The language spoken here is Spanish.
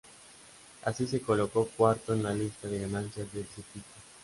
Así, se colocó cuarto en la lista de ganancias del circuito.